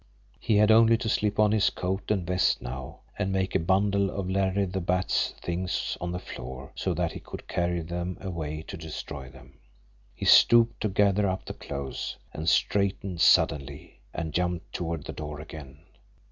He had only to slip on his coat and vest now and make a bundle of Larry the Bat's things on the floor, so that he could carry them away to destroy them. He stooped to gather up the clothes and straightened suddenly and jumped toward the door again.